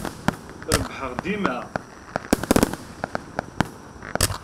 Rebbḥeɣ dima.